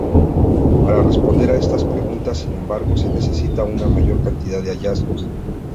Para responder a estas preguntas, sin embargo, se necesita una mayor cantidad de hallazgos.